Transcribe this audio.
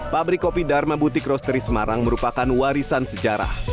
pabrik kopi dharma butik rosteri semarang merupakan warisan sejarah